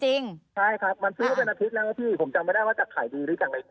ใช่ครับมันซื้อว่าเป็นอาทิตย์แล้วไงพี่